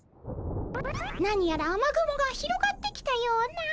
何やら雨雲が広がってきたような。